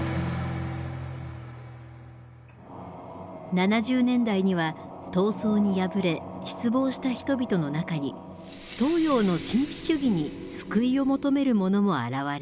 ７０年代には闘争に敗れ失望した人々の中に東洋の神秘主義に救いを求める者も現れる。